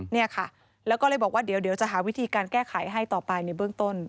เนี่ยค่ะแล้วก็เลยบอกว่าเดี๋ยวจะหาวิธีการแก้ไขให้ต่อไปในเบื้องต้น